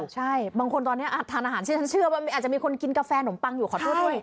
ใช่บางคนตอนนี้ทานอาหารที่ฉันเชื่อว่าอาจจะมีคนกินกาแฟนมปังอยู่ขอโทษด้วย